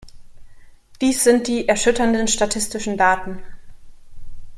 Dies sind die erschütternden statistischen Daten.